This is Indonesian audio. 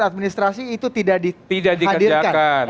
administrasi itu tidak dihadirkan tidak dihadirkan